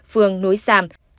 phường núi sam